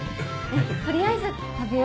取りあえず食べよう。